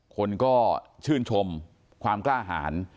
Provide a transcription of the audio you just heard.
คนก็ชื่นชมความกล้าหาร